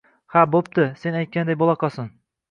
Ha bo'pti, sen aytganday bo'laqolsin.